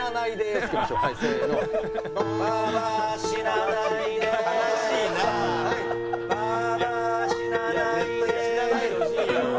絶対死なないでほしいよ。